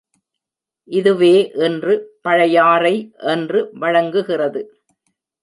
இதுவே இன்று பழையாறை என்று வழங்குகிறது.